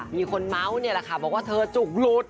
มีคนเมาส์นี่แหละค่ะบอกว่าเธอจุกหลุด